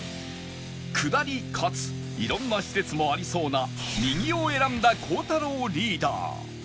下りかつ色んな施設もありそうな右を選んだ孝太郎リーダー